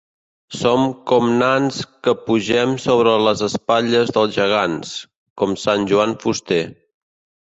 Som com nans que pugem sobre les espatlles dels gegants, com sant Joan Fuster.